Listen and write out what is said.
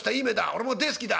俺も大好きだ。